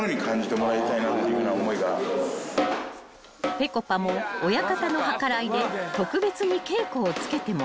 ［ぺこぱも親方の計らいで特別に稽古をつけてもらう］